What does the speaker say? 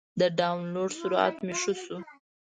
د ډاونلوډ سرعت مې ښه شو.